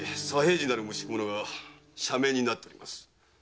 次なる無宿者が赦免になっております。